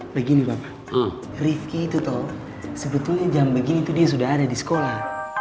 begini riki itu tol sebetulnya jam begini dia sudah ada di sekolah